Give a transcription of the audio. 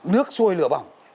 nước xuôi lửa bỏng